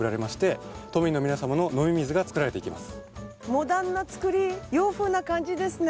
モダンな造り洋風な感じですね。